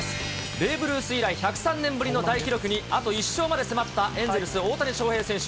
ベーブ・ルース以来１０３年ぶりの大記録にあと１勝まで迫ったエンゼルス、大谷翔平選手。